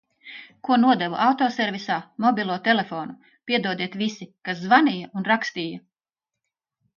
Ko nodevu autoservisā, mobilo telefonu. Piedodiet visi, kas zvanīja un rakstīja.